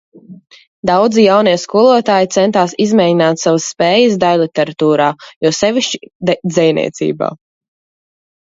Daudzi jaunie skolotāji centās izmēģināt savas spējas daiļliteratūrā, jo sevišķi dzejniecībā.